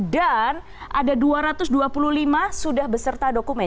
dan ada dua ratus dua puluh lima sudah beserta dokumen